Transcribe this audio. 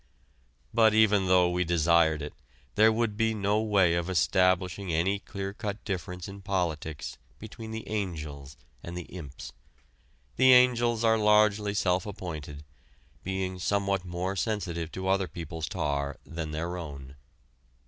But even though we desired it there would be no way of establishing any clear cut difference in politics between the angels and the imps. The angels are largely self appointed, being somewhat more sensitive to other people's tar than their own.